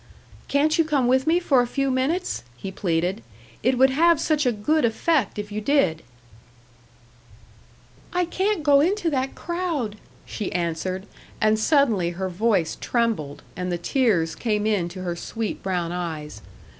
"Can't you come with me for a few minutes?" he pleaded. "It would have such a good effect if you did." "I can't go into that crowd," she answered; and suddenly her voice trembled, and the tears came into her sweet brown eyes.